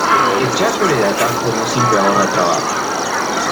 Echar por el atajo no siempre ahorra trabajo.